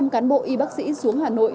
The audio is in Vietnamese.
tám trăm linh cán bộ y bác sĩ xuống hà nội